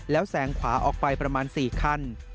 แล้วแสงขวาออกไปประมาณ๔คัน